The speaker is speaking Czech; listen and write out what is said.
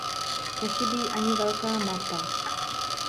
Nechybí ani velká mapa.